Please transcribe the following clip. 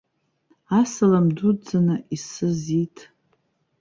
Асалам дуӡӡаны исызиҭ.